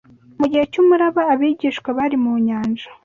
Mugihe cyumuraba abigishwa bari mu nyanja